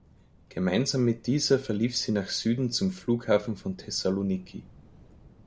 Gemeinsam mit dieser verlief sie nach Süden zum Flughafen von Thessaloniki.